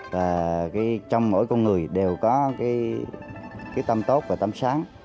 và trong mỗi con người đều có cái tâm tốt và tâm sáng